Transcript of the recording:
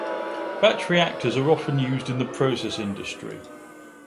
Batch reactors are often used in the process industry.